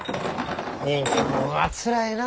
人気者はつらいな。